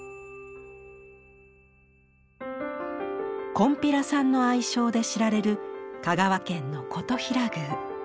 「こんぴらさん」の愛称で知られる香川県の金刀比羅宮。